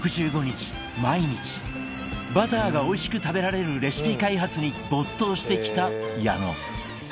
毎日バターがおいしく食べられるレシピ開発に没頭してきた矢野